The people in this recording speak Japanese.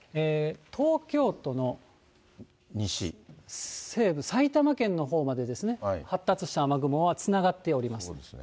東京都の西部、埼玉県のほうまで発達した雨雲はつながっております。